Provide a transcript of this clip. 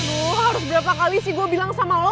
oh harus berapa kali sih gue bilang sama lo